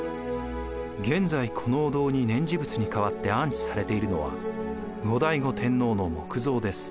現在このお堂に念持仏に代わって安置されているのは後醍醐天皇の木像です。